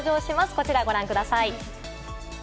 こちら、ご覧ください。